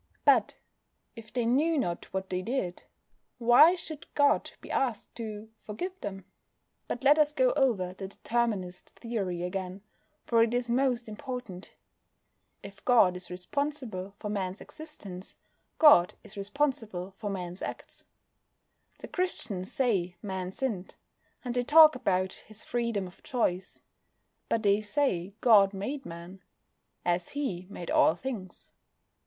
But if they knew not what they did, why should God be asked to forgive them? But let us go over the Determinist theory again, for it is most important. If God is responsible for Man's existence, God is responsible for Man's acts. The Christians say Man sinned, and they talk about his freedom of choice. But they say God made Man, as He made all things.